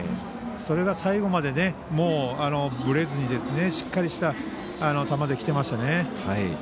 それが最後までぶれずにしっかりした球で、きてましたね。